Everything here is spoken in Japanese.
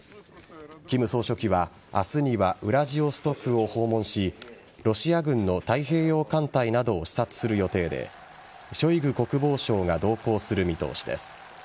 金総書記は、明日にはウラジオストクを訪問しロシア軍の太平洋艦隊などを視察する予定でショイグ国防相が同行する見通しです。